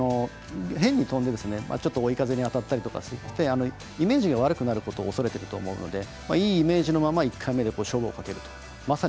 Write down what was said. なので、変に飛んでちょっと追い風に当たったりとかしてイメージが悪くなることを恐れていると思うのでいいイメージのまま１回目で勝負をかけると。